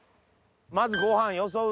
まずご飯よそう。